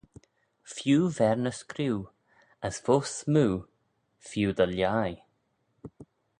Feeu v'er ny screeu, as foast smoo feeu dy lhaih.